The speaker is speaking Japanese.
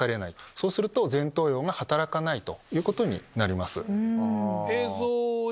そうすると前頭葉が働かないということになります。